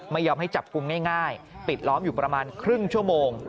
ไม่ยอมให้จับกลุ่มง่ายปิดล้อมอยู่ประมาณครึ่งชั่วโมง